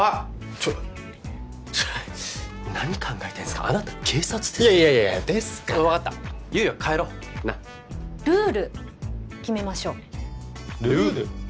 ちょっ何考えてんすかあなた警察いやいやですからわかった悠依は帰ろうなっルール決めましょうルール？